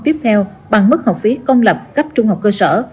tiếp theo bằng mức học phí công lập cấp trung học cơ sở